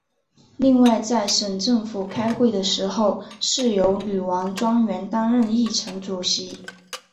另外在省政府开会的时候是由女王专员担任议程主席。